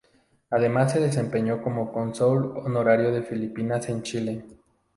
Además se desempeñó como cónsul honorario de Filipinas en Chile.